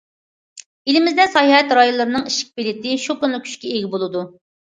ئېلىمىزدە ساياھەت رايونلىرىنىڭ ئىشىك بېلىتى شۇ كۈنىلا كۈچكە ئىگە بولىدۇ.